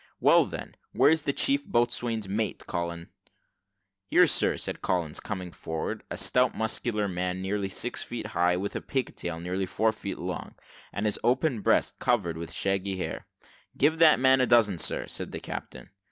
"Well, then, where is the chief boatswain's mate, Collins?" "Here, sir," said Collins, coming forward: a stout, muscular man, nearly six feet high, with a pig tail nearly four feet long, and his open breast covered with black shaggy hair. "Give that man a dozen, sir," said the captain.